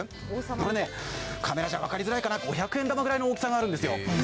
これね、カメラじゃ分かりづらいかな、五百円玉くらいの大きさがあるんですよ。